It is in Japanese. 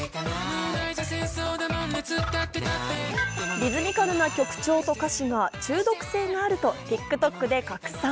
リズミカルな曲調と歌詞が、中毒性があるとＴｉｋＴｏｋで拡散。